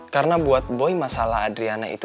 karena buat boy masalah adriana itu